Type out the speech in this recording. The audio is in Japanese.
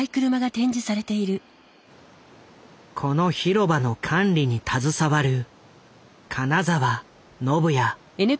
このひろばの管理に携わる金沢信也。